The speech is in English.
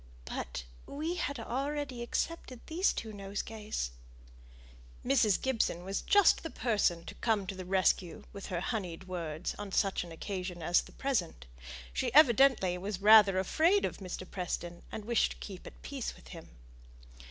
"But we had already accepted these two nosegays." Mrs. Gibson was just the person to come to the rescue with her honeyed words on such an occasion as the present. She evidently was rather afraid of Mr. Preston, and wished to keep at peace with him.